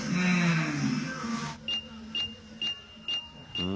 うん。